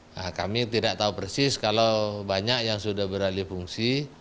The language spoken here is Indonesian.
nah kami tidak tahu persis kalau banyak yang sudah beralih fungsi